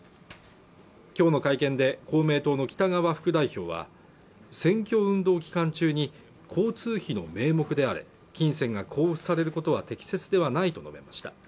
今日の会見で公明党の北側副代表は選挙運動期間中に交通費の名目であれ金銭が交付されることは適切ではないと述べました